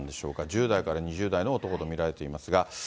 １０代から２０代の男と見られていますが。